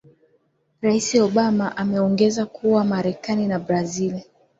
rais obama ameongeza kuwa marekani na brazil